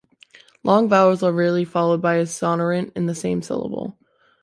Long vowels are rarely followed by a sonorant in the same syllable.